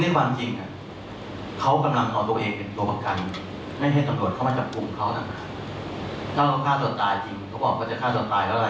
ถ้าเราฆ่าตัวตายจริงเขาบอกว่าจะฆ่าตัวตายแล้วอะไร